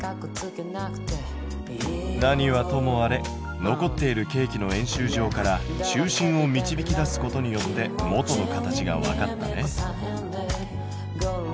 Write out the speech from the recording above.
何はともあれ残っているケーキの円周上から中心を導き出すことによって元の形がわかったね。